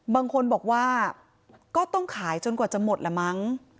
บางคนบอกว่าก็ต้องขายจนกว่าจะหมดละมั้ง